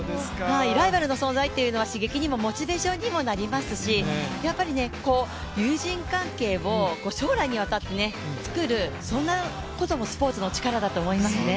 ライバルの存在っていうのは刺激にもモチベーションにもなりますしやっぱり、友人関係を将来にわたって作るそんなこともスポーツのチカラだと思いますね。